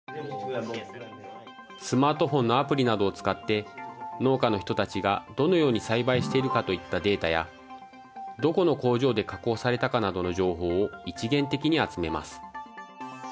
スマートフォンのアプリなどを使って農家の人たちがどのように栽培しているかといったデータやどこの工場で加工されたかなどの情報を一元的に集めます。